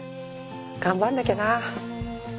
頑張んなきゃな。